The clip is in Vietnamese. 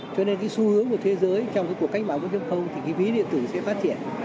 cho nên cái xu hướng của thế giới trong cái cuộc cách bảo vấn chống không thì cái ví điện tử sẽ phát triển